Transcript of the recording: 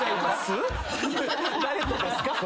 誰とですか？